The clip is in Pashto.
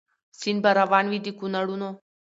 سیند به روان وي د کونړونو